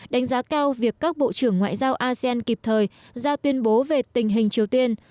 đánh giá cao việc các bộ trưởng ngoại giao asean kịp thời ra tuyên bố về tình hình triều tiên